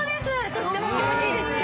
とっても気持ちいいですね。